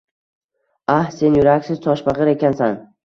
-Ah, sen yuraksiz toshbagʻir ekansan...